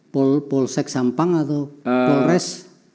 pol polsek sampang atau polres